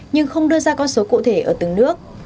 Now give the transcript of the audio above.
nhưng không đưa ra con số cụ thể ở từng nước